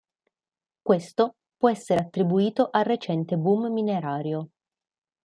Questo può essere attribuito al recente boom minerario.